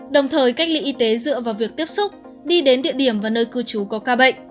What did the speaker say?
đồng thời cách ly y tế dựa vào việc tiếp xúc đi đến địa điểm và nơi cư trú có ca bệnh